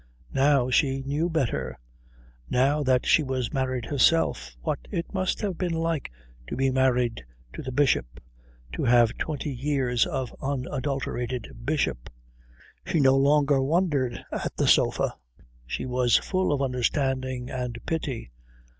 Now she knew better, now that she was married herself, what it must have been like to be married to the Bishop, to have twenty years of unadulterated Bishop. She no longer wondered at the sofa. She was full of understanding and pity.